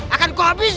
aku tidak terima